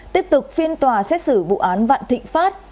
tiếp tục phiên tòa xét xử vụ án vạn thịnh pháp